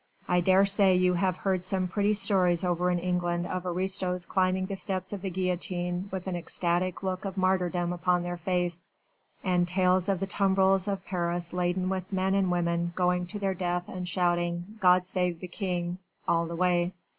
I dare say you have heard some pretty stories over in England of aristos climbing the steps of the guillotine with an ecstatic look of martyrdom upon their face: and tales of the tumbrils of Paris laden with men and women going to their death and shouting "God save the King" all the way.